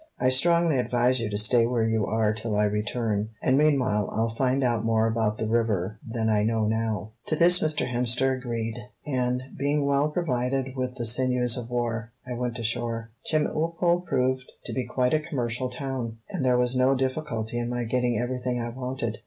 I strongly advise you to stay where you are till I return, and meanwhile I'll find out more about the river than I know now." To this Mr. Hemster agreed, and, being well provided with the sinews of war, I went ashore. Chemulpo proved to be quite a commercial town, and there was no difficulty in my getting everything I wanted.